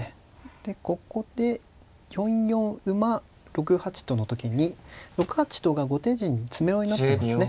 でここで４四馬６八との時に６八とが詰めろになっていますね。